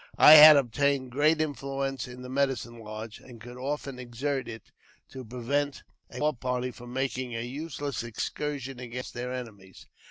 I had obtained great influence in the medicine lodge, ■ and could often exert it to prevent a war party from making a I useless excursion against their enemies.